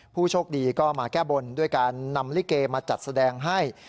ผู้โชคดีก็มาแก้บนด้วยการนำลิเกมาจัดแสดงให้